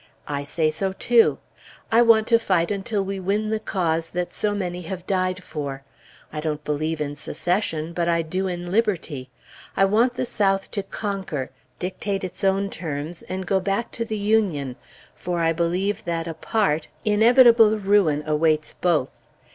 I say so, too. I want to fight until we win the cause so many have died for. I don't believe in Secession, but I do in Liberty. I want the South to conquer, dictate its own terms, and go back to the Union, for I believe that, apart, inevitable ruin awaits both.